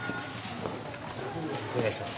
お願いします。